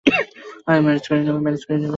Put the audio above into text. আমি ম্যানেজ করে নিবো।